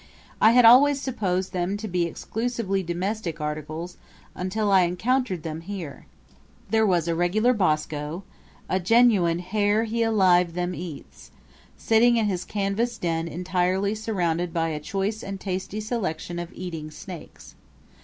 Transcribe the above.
I had always supposed them to be exclusively domestic articles until I encountered them here. There was a regular Bosco a genuine Herr He Alive Them Eats sitting in his canvas den entirely surrounded by a choice and tasty selection of eating snakes.